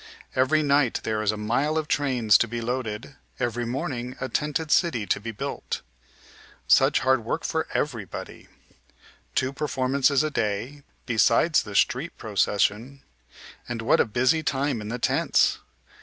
Every night there is a mile of trains to be loaded, every morning a tented city to be built. Such hard work for everybody! Two performances a day, besides the street procession. And what a busy time in the tents!